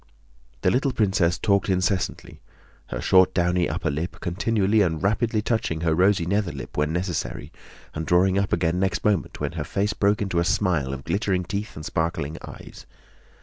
The little princess talked incessantly, her short, downy upper lip continually and rapidly touching her rosy nether lip when necessary and drawing up again next moment when her face broke into a smile of glittering teeth and sparkling eyes.